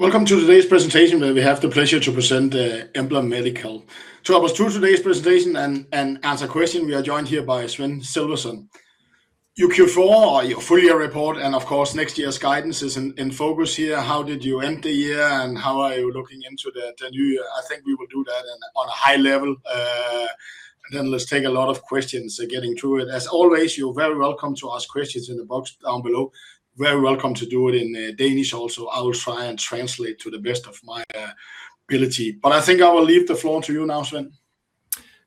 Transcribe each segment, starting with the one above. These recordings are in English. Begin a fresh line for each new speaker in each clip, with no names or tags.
Welcome to today's presentation, where we have the pleasure to present Embla Medical. To our pursuit of today's presentation and answer a question, we are joined here by Sveinn Sölvason. Q4 for your full year report, and of course, next year's guidance is in focus here. How did you end the year, and how are you looking into the new year? I think we will do that on a high level, and then let's take a lot of questions, getting through it. As always, you're very welcome to ask questions in the box down below. Very welcome to do it in Danish also. I will try and translate to the best of my ability. But I think I will leave the floor to you now, Sveinn.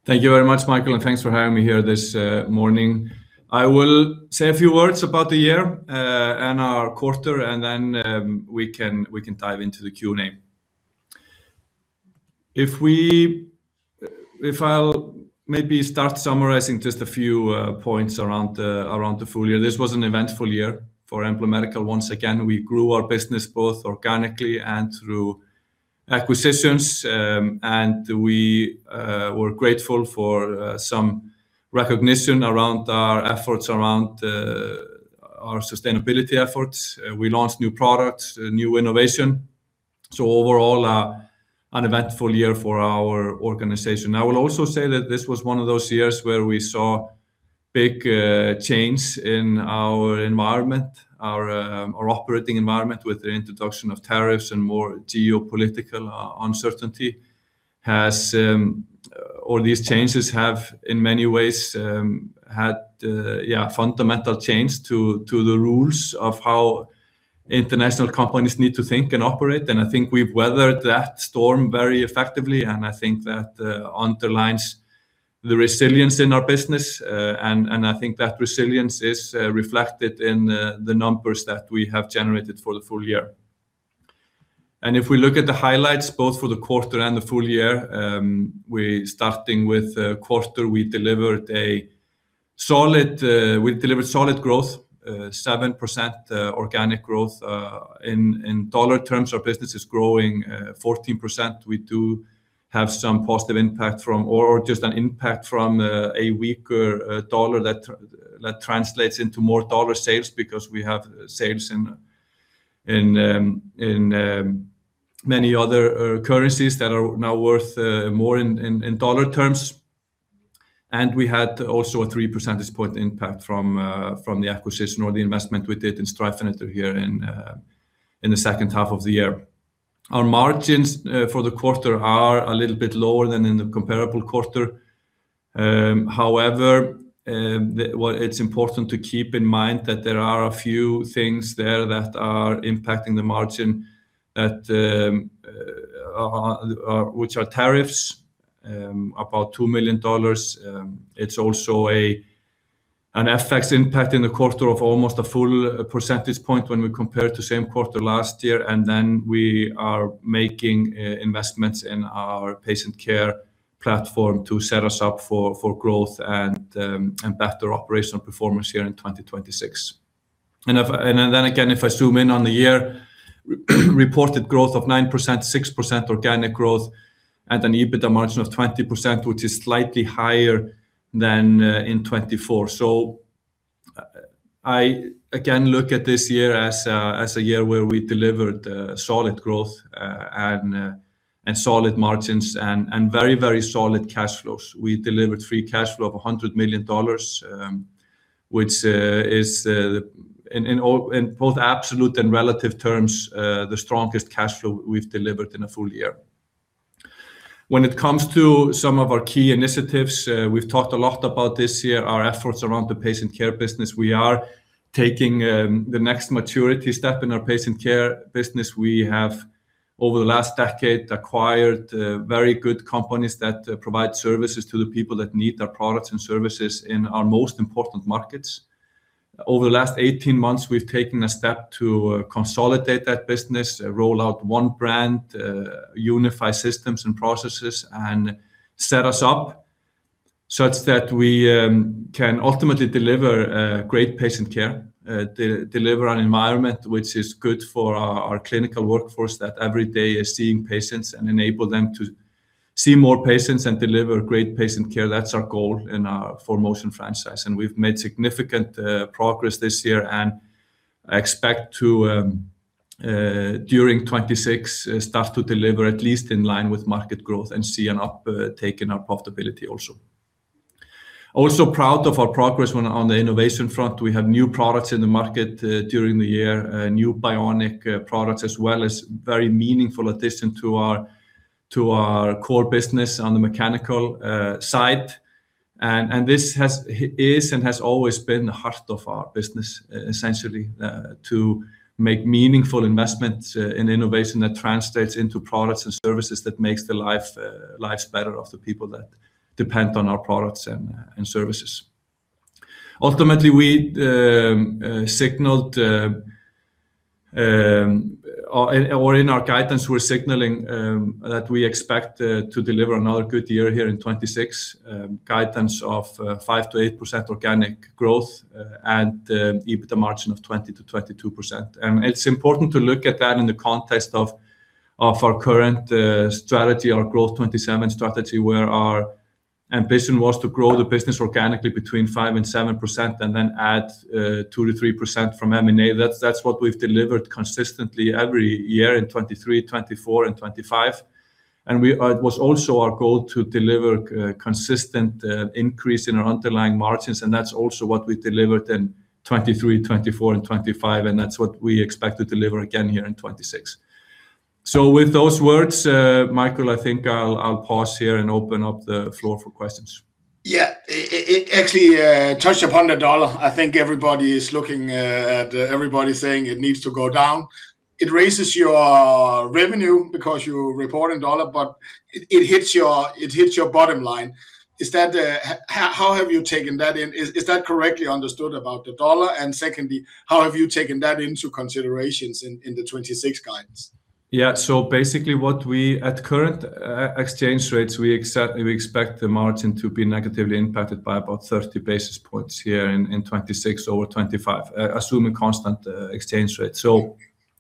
Thank you very much, Michael, and thanks for having me here this morning. I will say a few words about the year, and our quarter, and then we can dive into the Q&A. I'll maybe start summarizing just a few points around the full year. This was an eventful year for Embla Medical. Once again, we grew our business both organically and through acquisitions, and we were grateful for some recognition around our efforts around our sustainability efforts. We launched new products, new innovation. So overall, an eventful year for our organization. I will also say that this was one of those years where we saw big change in our environment, our operating environment with the introduction of tariffs and more geopolitical uncertainty. These changes have, in many ways, had fundamental change to the rules of how international companies need to think and operate. I think we've weathered that storm very effectively, and I think that underlines the resilience in our business, and I think that resilience is reflected in the numbers that we have generated for the full year. If we look at the highlights both for the quarter and the full year, starting with quarter, we delivered solid growth, 7% organic growth. In dollar terms, our business is growing 14%. We do have some positive impact from, or just an impact from, a weaker dollar that translates into more dollar sales because we have sales in many other currencies that are now worth more in dollar terms. And we had also a 3%-point impact from the acquisition or the investment we did in Streifeneder here in the second half of the year. Our margins for the quarter are a little bit lower than in the comparable quarter. However, what it's important to keep in mind that there are a few things there that are impacting the margin that which are tariffs, about $2 million. It's also an FX impact in the quarter of almost a full percentage point when we compare to same quarter last year. And then we are making investments in our patient care platform to set us up for growth and better operational performance here in 2026. And then again, if I zoom in on the year, reported growth of 9%, 6% organic growth, and an EBITDA margin of 20%, which is slightly higher than in 2024. So, I again look at this year as a year where we delivered solid growth and solid margins and very, very solid cash flows. We delivered free cash flow of $100 million, which is, in all, both absolute and relative terms, the strongest cash flow we've delivered in a full year. When it comes to some of our key initiatives, we've talked a lot about this year, our efforts around the patient care business. We are taking the next maturity step in our patient care business. We have over the last decade acquired very good companies that provide services to the people that need our products and services in our most important markets. Over the last 18 months, we've taken a step to consolidate that business, roll out one brand, unify systems and processes, and set us up such that we can ultimately deliver great patient care, deliver an environment which is good for our clinical workforce that every day is seeing patients and enable them to see more patients and deliver great patient care. That's our goal in our ForMotion franchise. And we've made significant progress this year and expect to during 2026 set to deliver at least in line with market growth and see an uptake in our profitability also. Also proud of our progress when on the innovation front. We have new products in the market during the year, new bionic products as well as very meaningful addition to our core business on the mechanical side. And this has always been the heart of our business, essentially, to make meaningful investments in innovation that translates into products and services that makes lives better of the people that depend on our products and services. Ultimately, we're signaling in our guidance that we expect to deliver another good year here in 2026, guidance of 5%-8% organic growth, and EBITDA margin of 20%-22%. And it's important to look at that in the context of our current strategy, our Growth 2027 strategy, where our ambition was to grow the business organically between 5% and 7% and then add 2%-3% from M&A. That's what we've delivered consistently every year in 2023, 2024, and 2025. It was also our goal to deliver consistent increase in our underlying margins. That's also what we delivered in 2023, 2024, and 2025, and that's what we expect to deliver again here in 2026. With those words, Michael, I think I'll pause here and open up the floor for questions.
Yeah. It actually touched upon the dollar. I think everybody is looking at everybody saying it needs to go down. It raises your revenue because you report in dollar, but it hits your bottom line. Is that how have you taken that in? Is that correctly understood about the dollar? And secondly, how have you taken that into considerations in the 2026 guidance?
Yeah. So basically what we at current exchange rates expect the margin to be negatively impacted by about 30 basis points here in 2026 over 2025, assuming constant exchange rate. So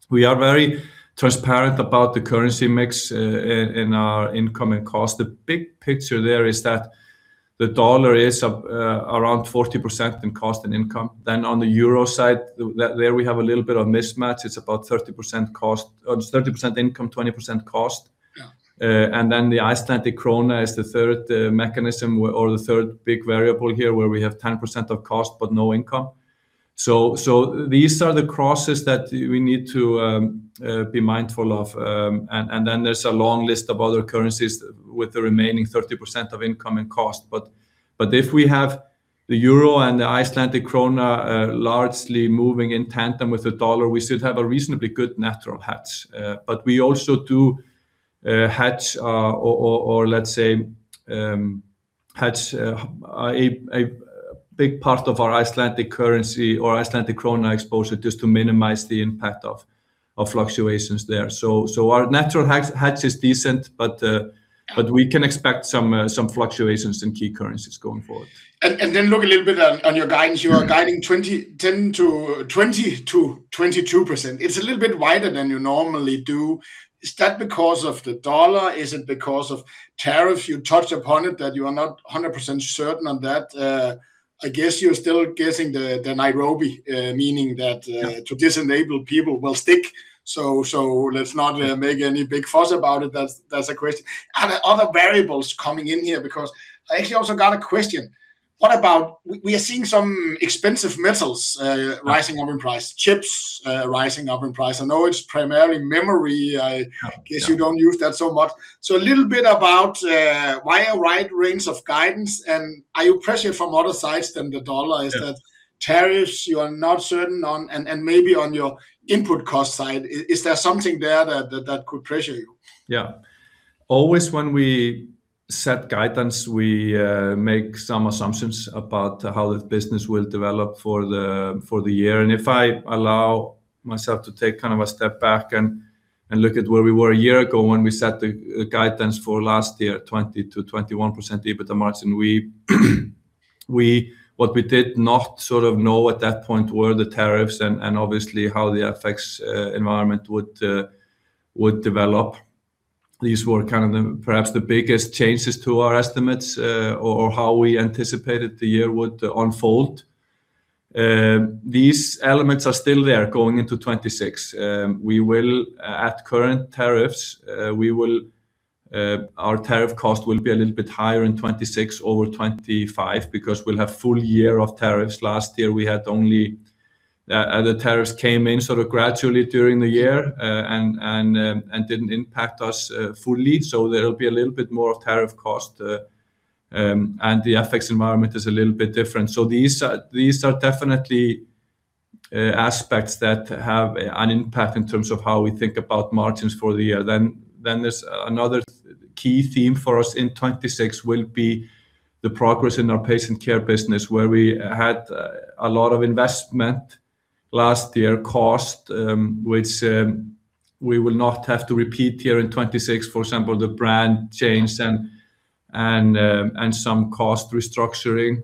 we are very transparent about the currency mix in our income and cost. The big picture there is that the dollar is up around 40% in cost and income. Then on the euro side, there we have a little bit of mismatch. It's about 30% cost on 30% income, 20% cost.
Yeah.
And then the Icelandic króna is the third big variable here where we have 10% of cost but no income. So these are the crosses that we need to be mindful of. And then there's a long list of other currencies with the remaining 30% of income and cost. But if we have the euro and the Icelandic króna largely moving in tandem with the dollar, we should have a reasonably good natural hedge. But we also do hedge, or let's say hedge a big part of our Icelandic currency or Icelandic króna exposure just to minimize the impact of fluctuations there. So our natural hedge is decent, but we can expect some fluctuations in key currencies going forward.
And then look a little bit on your guidance. You are guiding 20, 10%-22%. It's a little bit wider than you normally do. Is that because of the dollar? Is it because of tariffs? You touched upon it that you are not 100% certain on that. I guess you're still guessing the levy, meaning that to enable people will stick. So let's not make any big fuss about it. That's a question. Are there other variables coming in here? Because I actually also got a question. What about we are seeing some expensive metals rising up in price, chips rising up in price. I know it's primarily memory. I guess you don't use that so much. So a little bit about why a wide range of guidance? And are you pressured from other sides than the dollar? Is that tariffs you are not certain on? And maybe on your input cost side, is there something there that could pressure you?
Yeah. Always when we set guidance, we make some assumptions about how this business will develop for the year. And if I allow myself to take kind of a step back and look at where we were a year ago when we set the guidance for last year, 20%-21% EBITDA margin, we what we did not sort of know at that point were the tariffs and obviously how the FX environment would develop. These were kind of the perhaps the biggest changes to our estimates, or how we anticipated the year would unfold. These elements are still there going into 2026. We will, at current tariffs, our tariff cost will be a little bit higher in 2026 over 2025 because we'll have full year of tariffs. Last year we had only the tariffs came in sort of gradually during the year, and didn't impact us fully. So there'll be a little bit more of tariff cost, and the FX environment is a little bit different. So these are definitely aspects that have an impact in terms of how we think about margins for the year. Then there's another key theme for us in 2026: the progress in our patient care business where we had a lot of investment last year, cost which we will not have to repeat here in 2026. For example, the brand change and some cost restructuring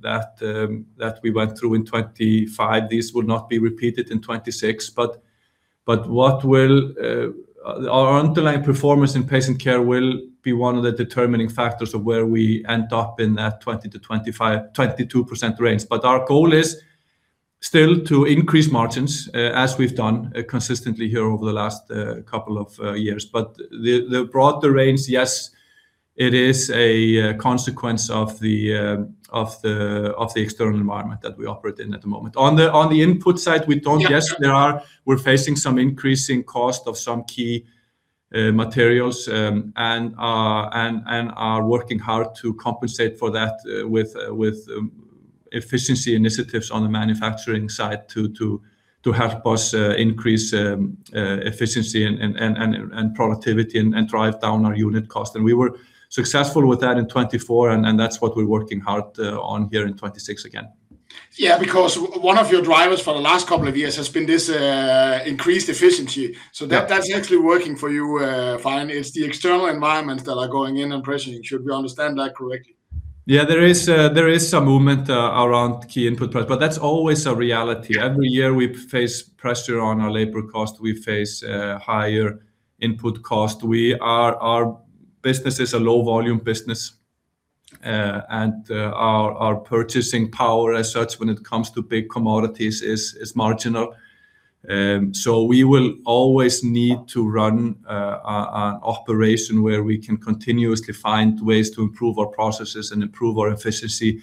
that we went through in 2025. These will not be repeated in 2026. But what will our underlying performance in patient care be one of the determining factors of where we end up in that 20%-25%, 22% range. But our goal is still to increase margins, as we've done consistently here over the last couple of years. But the broader range, yes, it is a consequence of the external environment that we operate in at the moment. On the input side, we don't. Yes, there are. We're facing some increasing cost of some key materials, and are working hard to compensate for that with efficiency initiatives on the manufacturing side to help us increase efficiency and productivity and drive down our unit cost. And we were successful with that in 2024, and that's what we're working hard on here in 2026 again.
Yeah. Because one of your drivers for the last couple of years has been this, increased efficiency. So that, that's actually working for you, fine. It's the external environments that are going in and pressuring. Should we understand that correctly?
Yeah. There is, there is some movement around key input price, but that's always a reality. Every year we face pressure on our labor cost. We face higher input cost. We are; our business is a low-volume business, and our purchasing power as such when it comes to big commodities is marginal. So we will always need to run an operation where we can continuously find ways to improve our processes and improve our efficiency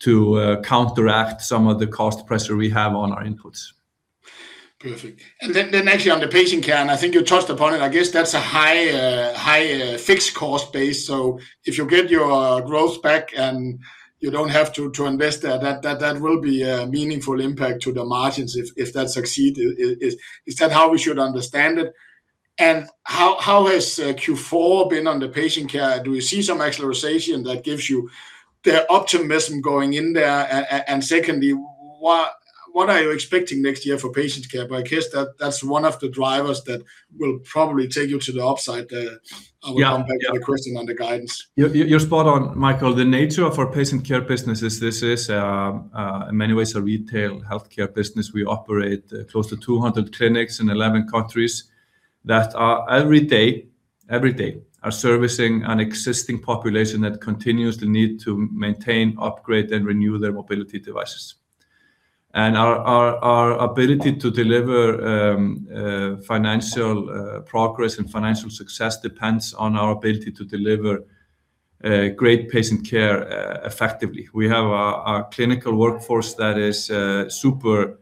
to counteract some of the cost pressure we have on our inputs.
Perfect. Then actually on the patient care, and I think you touched upon it, I guess that's a high fixed cost base. So if you get your growth back and you don't have to invest there, that will be a meaningful impact to the margins if that succeeds. Is that how we should understand it? And how has Q4 been on the patient care? Do you see some acceleration that gives you the optimism going in there? And secondly, what are you expecting next year for patient care? But I guess that's one of the drivers that will probably take you to the upside. I will come back to the question on the guidance.
Yeah. You're, you're spot on, Michael. The nature of our patient care business is this is, in many ways a retail healthcare business. We operate close to 200 clinics in 11 countries that are every day, every day are servicing an existing population that continuously need to maintain, upgrade, and renew their mobility devices. And our, our, our ability to deliver, financial, progress and financial success depends on our ability to deliver, great patient care, effectively. We have a, a clinical workforce that is, super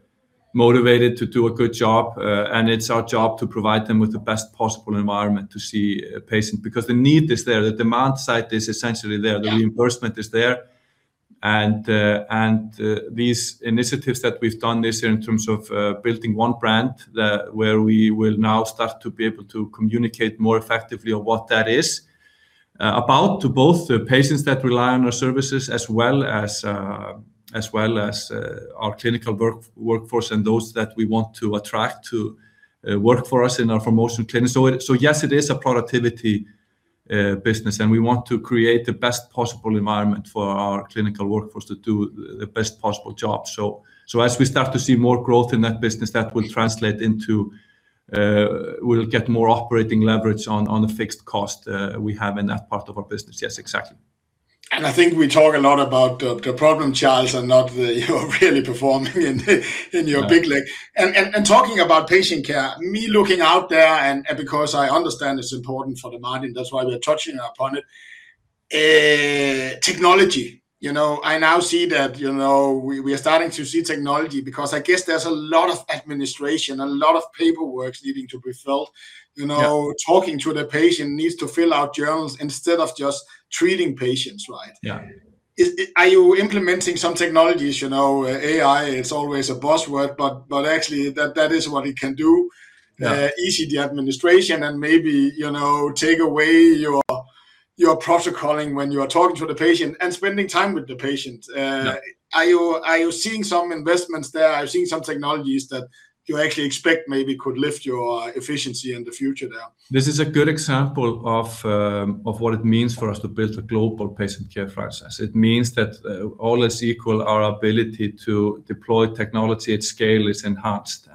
motivated to do a good job, and it's our job to provide them with the best possible environment to see a patient because the need is there. The demand side is essentially there. The reimbursement is there. These initiatives that we've done this year in terms of building one brand, where we will now start to be able to communicate more effectively of what that is about to both the patients that rely on our services as well as our clinical workforce and those that we want to attract to work for us in our ForMotion clinic. So yes, it is a productivity business, and we want to create the best possible environment for our clinical workforce to do the best possible job. So as we start to see more growth in that business, that will translate into we'll get more operating leverage on the fixed cost we have in that part of our business. Yes, exactly.
And I think we talk a lot about the problem, Charles, and not that you're really performing in your big league. And talking about patient care, me looking out there and because I understand it's important for the margin, that's why we are touching upon it, technology. You know, I now see that, you know, we are starting to see technology because I guess there's a lot of administration, a lot of paperwork needing to be filled. You know, talking to the patient needs to fill out journals instead of just treating patients, right?
Yeah.
Are you implementing some technologies, you know, AI? It's always a buzzword, but actually that is what it can do, ease the administration and maybe, you know, take away your protocoling when you are talking to the patient and spending time with the patient. Are you seeing some investments there? Are you seeing some technologies that you actually expect maybe could lift your efficiency in the future there?
This is a good example of what it means for us to build a global patient care franchise. It means that, all is equal. Our ability to deploy technology at scale is enhanced.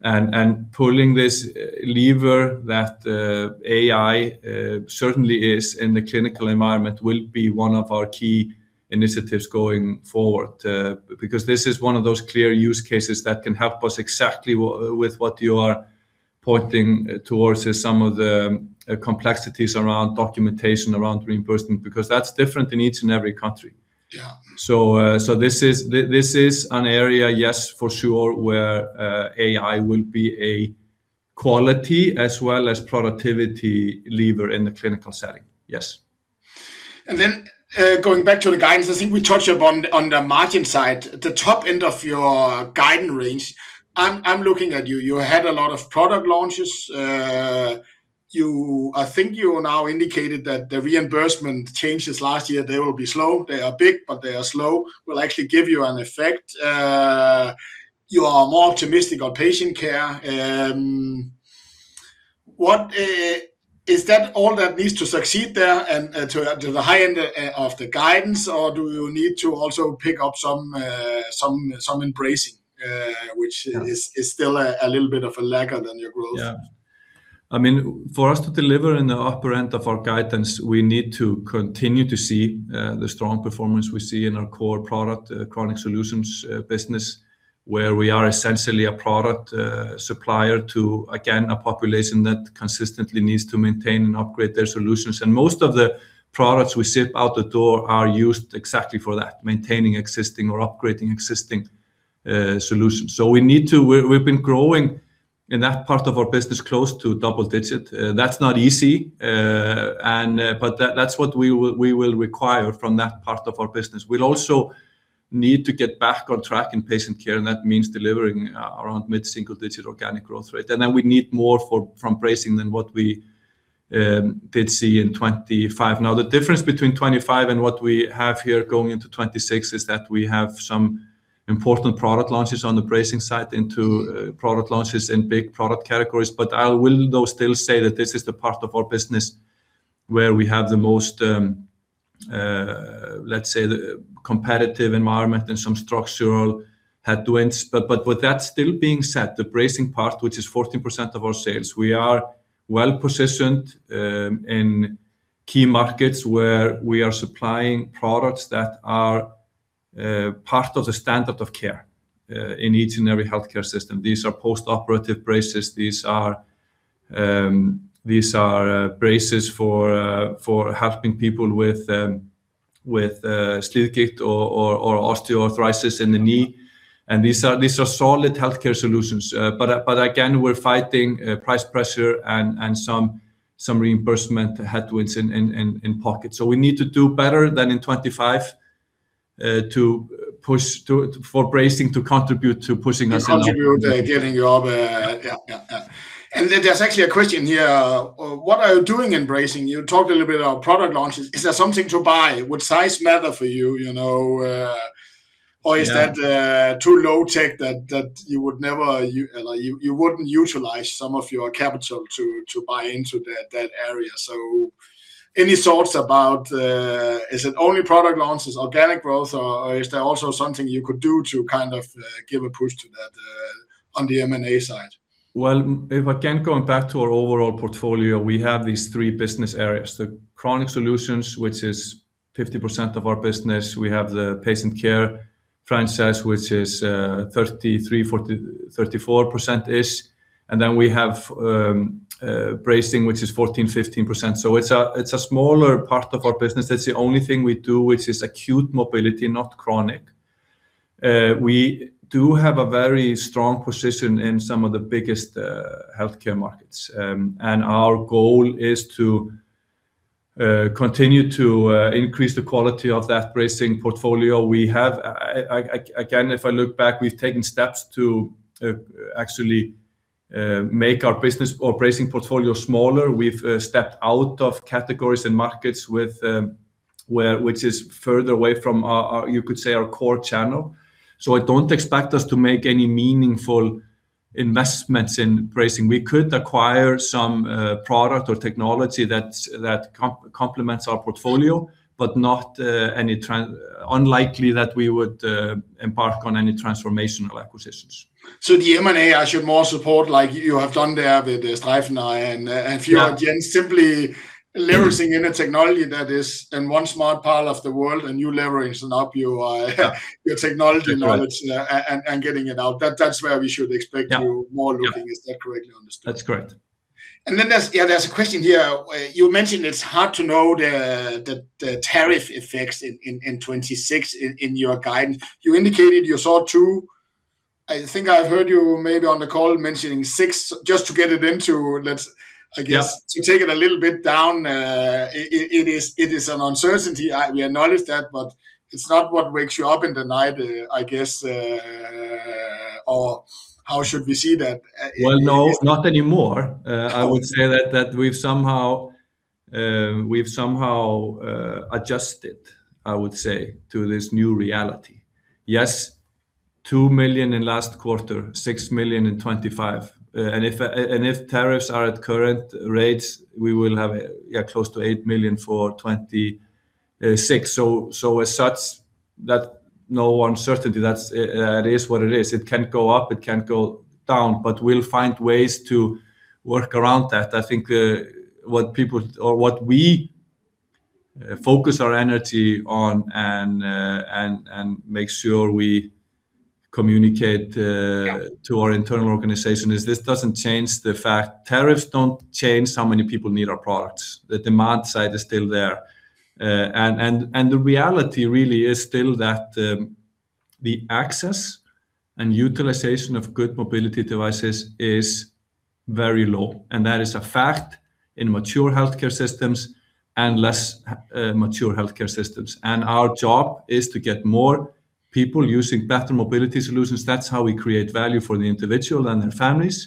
And pulling this lever that AI certainly is in the clinical environment will be one of our key initiatives going forward, because this is one of those clear use cases that can help us exactly with what you are pointing towards is some of the complexities around documentation, around reimbursement, because that's different in each and every country.
Yeah.
This is an area, yes, for sure, where AI will be a quality as well as productivity lever in the clinical setting. Yes.
And then, going back to the guidance, I think we touched upon the margin side, the top end of your guidance range. I'm looking at you. You had a lot of product launches. You, I think you now indicated that the reimbursement changes last year, they will be slow. They are big, but they are slow. Will actually give you an effect. You are more optimistic on patient care. What is that all that needs to succeed there and to the high end of the guidance, or do you need to also pick up some bracing, which is still a little bit of a laggard on your growth?
Yeah. I mean, for us to deliver in the upper end of our guidance, we need to continue to see the strong performance we see in our core product, chronic solutions, business, where we are essentially a product supplier to, again, a population that consistently needs to maintain and upgrade their solutions. And most of the products we ship out the door are used exactly for that, maintaining existing or upgrading existing solutions. So we've been growing in that part of our business close to double-digit. That's not easy, but that's what we will require from that part of our business. We'll also need to get back on track in patient care, and that means delivering around mid-single-digit organic growth rate. And then we need more from bracing than what we did see in 2025. Now, the difference between 2025 and what we have here going into 2026 is that we have some important product launches on the bracing side, product launches in big product categories. But I will though still say that this is the part of our business where we have the most, let's say, the competitive environment and some structural headwinds. But, but with that still being said, the bracing part, which is 14% of our sales, we are well positioned in key markets where we are supplying products that are part of the standard of care in each and every healthcare system. These are post-operative braces. These are, these are braces for helping people with steel kit or osteoarthritis in the knee. And these are these are solid healthcare solutions. But again, we're fighting price pressure and some reimbursement headwinds in pocket. So we need to do better than in 2025, to push to for bracing to contribute to pushing us in.
To contribute, getting you up, yeah, yeah, yeah. And there's actually a question here. What are you doing in bracing? You talked a little bit about product launches. Is there something to buy? Would size matter for you, you know, or is that too low tech that you would never or you wouldn't utilize some of your capital to buy into that area? So any thoughts about, is it only product launches, organic growth, or is there also something you could do to kind of give a push to that, on the M&A side?
Well, if again, going back to our overall portfolio, we have these three business areas. The chronic solutions, which is 50% of our business. We have the patient care franchise, which is 33, 40, 34% is. And then we have bracing, which is 14%-15%. So it's a smaller part of our business. That's the only thing we do, which is acute mobility, not chronic. We do have a very strong position in some of the biggest healthcare markets. And our goal is to continue to increase the quality of that bracing portfolio. We have, again, if I look back, we've taken steps to actually make our business or bracing portfolio smaller. We've stepped out of categories and markets with where which is further away from our, our you could say our core channel. So I don't expect us to make any meaningful investments in bracing. We could acquire some product or technology that complements our portfolio, but unlikely that we would embark on any transformational acquisitions.
So the M&A, I should more support, like you have done there with Streifeneder and Fior & Gentz simply leveraging in a technology that is in one smart part of the world, a new leverage and up your technology knowledge and getting it out. That's where we should expect you more looking. Is that correctly understood?
That's correct.
Then there's yeah, there's a question here. You mentioned it's hard to know the tariff effects in 2026 in your guidance. You indicated you saw 2. I think I've heard you maybe on the call mentioning 6 just to get it into, let's, I guess, to take it a little bit down. It is an uncertainty. We acknowledge that, but it's not what wakes you up in the night, I guess, or how should we see that?
Well, no, not anymore. I would say that we've somehow adjusted, I would say, to this new reality. Yes, $2 million in last quarter, $6 million in 2025. And if tariffs are at current rates, we will have, yeah, close to $8 million for 2026. So as such, that no uncertainty, that's what it is. It can go up. It can go down, but we'll find ways to work around that. I think what people or what we focus our energy on and make sure we communicate to our internal organization is this doesn't change the fact. Tariffs don't change how many people need our products. The demand side is still there. And the reality really is still that the access and utilization of good mobility devices is very low. That is a fact in mature healthcare systems and less mature healthcare systems. Our job is to get more people using better mobility solutions. That's how we create value for the individual and their families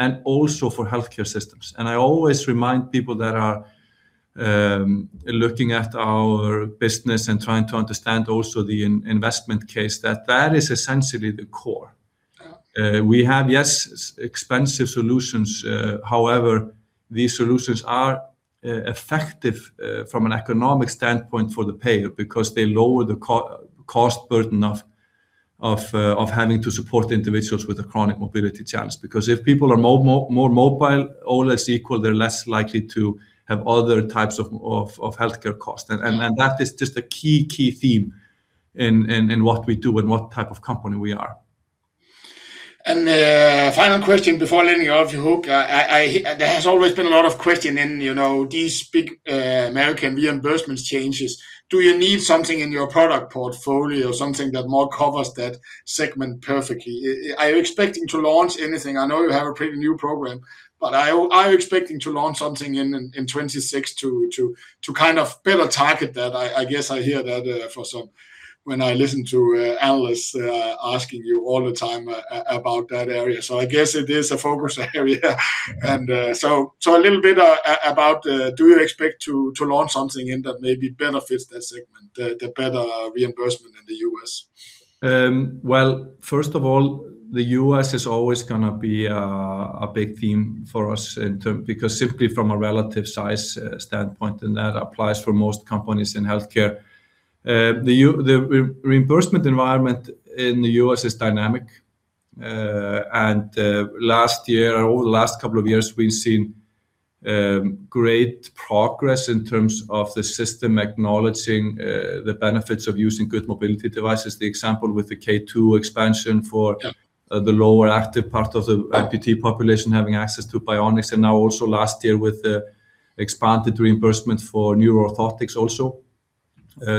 and also for healthcare systems. I always remind people that are looking at our business and trying to understand also the investment case, that that is essentially the core. We have, yes, expensive solutions. However, these solutions are effective from an economic standpoint for the payer because they lower the cost burden of having to support individuals with a chronic mobility challenge. Because if people are more mobile, all is equal, they're less likely to have other types of healthcare costs. And that is just a key theme in what we do and what type of company we are.
Final question before letting you off your hook. There has always been a lot of question in, you know, these big, American reimbursements changes. Do you need something in your product portfolio or something that more covers that segment perfectly? Are you expecting to launch anything? I know you have a pretty new program, but are you expecting to launch something in 2026 to kind of better target that? I guess I hear that, for some when I listen to analysts, asking you all the time, about that area. So I guess it is a focus area. So a little bit about, do you expect to launch something in that maybe better fits that segment, the better reimbursement in the US?
Well, first of all, the US is always going to be a big theme for us in terms because simply from a relative size standpoint, and that applies for most companies in healthcare. The reimbursement environment in the US is dynamic. And last year or over the last couple of years, we've seen great progress in terms of the system acknowledging the benefits of using good mobility devices. The example with the K2 expansion for the lower active part of the amputee population having access to bionics, and now also last year with the expanded reimbursement for neuroorthotics also.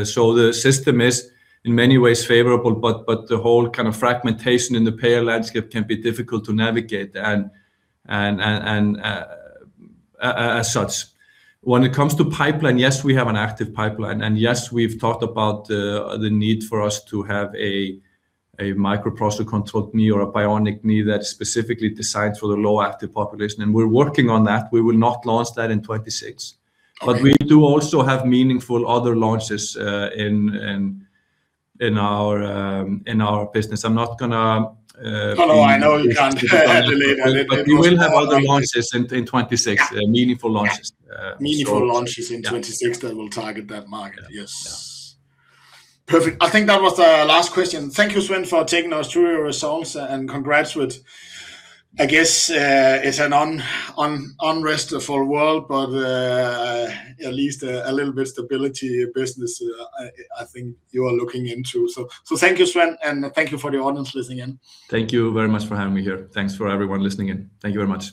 So the system is in many ways favorable, but the whole kind of fragmentation in the payer landscape can be difficult to navigate and as such. When it comes to pipeline, yes, we have an active pipeline. Yes, we've talked about the need for us to have a microprocessor-controlled knee or a bionic knee that's specifically designed for the low active population. We're working on that. We will not launch that in 2026. But we do also have meaningful other launches in our business. I'm not going to,
Oh, no, I know you can't delay that.
We will have other launches in 2026, meaningful launches.
Meaningful launches in 2026 that will target that market. Yes. Perfect. I think that was the last question. Thank you, Sveinn, for taking us through your results and congrats with, I guess, it's an unrestful world, but, at least a little bit stability business, I think you are looking into. So, so thank you, Sveinn, and thank you for the audience listening in.
Thank you very much for having me here. Thanks for everyone listening in. Thank you very much.